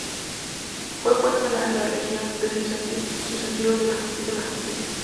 Fue juez penal en la región, designado por su sentido de la justicia.